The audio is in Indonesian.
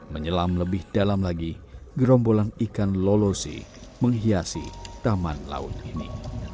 menyelam lebih dalam lagi gerombolan ikan lolosi menghiasi taman laut ini